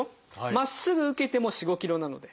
まっすぐ受けても４５ｋｇなので。